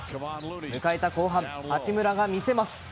迎えた後半、八村が見せます。